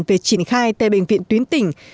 về triển khai tại bệnh viện tuyến tỉnh